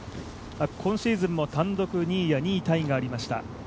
今シーズンも単独２位や２位タイがありました。